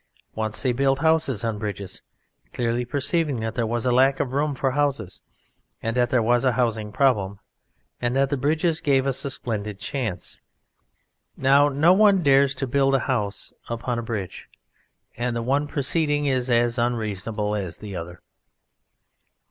Once they built houses on bridges, clearly perceiving that there was lack of room for houses, and that there was a housing problem, and that the bridges gave a splendid chance. Now no one dares to build a house upon a bridge, and the one proceeding is as reasonable as the other.